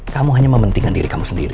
kamu hanya mementingkan diri kamu sendiri